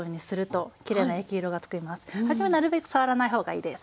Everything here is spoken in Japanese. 初めなるべく触らない方がいいです。